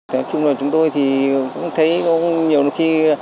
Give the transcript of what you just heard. nói chung là chúng tôi thì cũng thấy có nhiều khi